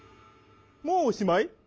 もうおしまい？